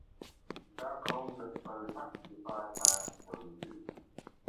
• دا قوم د خپل حق دفاع ته چمتو دی.